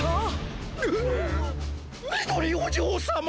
みどりおじょうさま！？